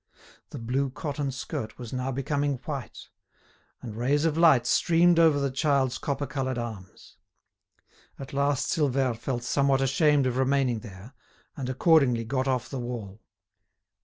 The blue cotton skirt was now becoming white; and rays of light streamed over the child's copper coloured arms. At last Silvère felt somewhat ashamed of remaining there, and accordingly got off the wall.